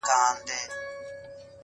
هغه د زړونو د دنـيـا لــه درده ولـوېږي؛